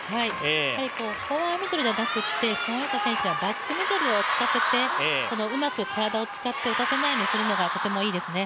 フォアミドルではなくて、孫エイ莎選手はバックミドルをつかせて、うまく体を浮かせて打たせないようにするのがとてもいいですね。